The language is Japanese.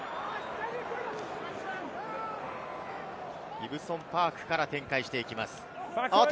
ギブソン＝パークから展開していきます。